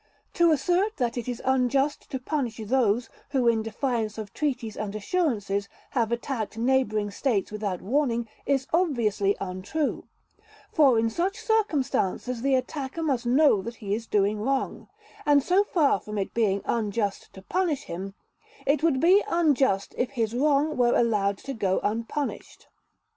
To assert that it is unjust to punish those who in defiance of treaties and assurances have attacked neighboring states without warning is obviously untrue, for in such circumstances the attacker must know that he is doing wrong, and so far from it being unjust to punish him, it would be unjust if his wrong were allowed to go unpunished.